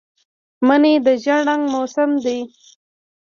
مني د زېړ رنګ موسم دی